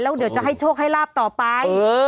เดี๋ยวจะให้โชคให้ลาบต่อไป